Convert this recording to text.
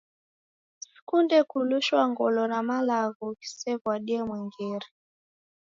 Sikunde kulushwa ngolo na malagho ghisew’adie mwengere.